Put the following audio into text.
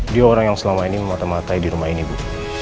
dia orang yang selama ini memata matai di rumah ini bu